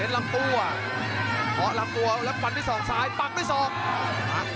เล่นลำตัวพอลำตัวลับฟันด้วยสองสายปักด้วยสอง